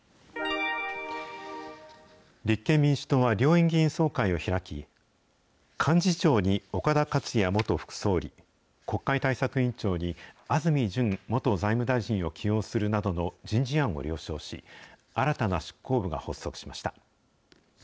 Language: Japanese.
立憲民主党は両院議員総会を開き、幹事長に岡田克也元副総理、国会対策委員長に安住淳元財務大臣を起用するなどの人事案を了承し、新たな執行部が発足しました。